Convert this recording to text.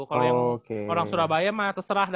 kalau yang orang surabaya mah terserah